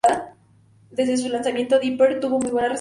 Desde su lanzamiento "Deeper" tuvo muy buena recepción.